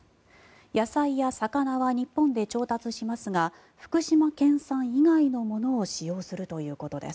野菜や魚は日本で調達しますが福島県産以外の食材を使用するということです。